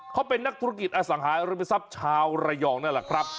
เขาเป็นนักธุรกิจอสังหาริมทรัพย์ชาวระยองนั่นแหละครับ